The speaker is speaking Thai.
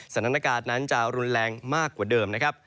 สถานการณ์นั้นจะรุนแรงมากกว่าเดิมนะครับ